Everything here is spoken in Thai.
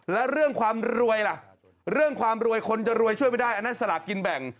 แล้วเรื่องความรวยล่ะเรื่องความรวยคนจะรวยช่วยไม่ได้อันนั้นสลากกินแบ่ง